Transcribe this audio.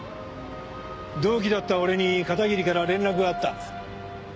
同期だった俺に片桐から連絡があった。